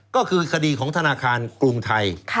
ก็คือคดีของธนาคารกรุงไทย